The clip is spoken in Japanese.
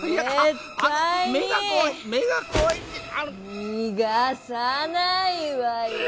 にがさないわよ！